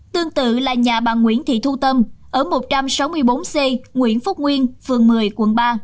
tương tự là nhà bà nguyễn thị thu tâm ở một trăm sáu mươi bốn c nguyễn phúc nguyên phường một mươi quận ba